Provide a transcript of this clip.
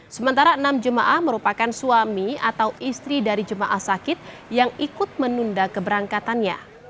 sementara enam jemaah merupakan suami atau istri dari jemaah sakit yang ikut menunda keberangkatannya